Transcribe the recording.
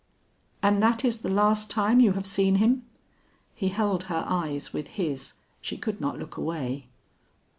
"And that is the last time you have seen him?" He held her eyes with his, she could not look away.